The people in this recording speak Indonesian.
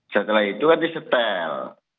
setelah itu kan disetel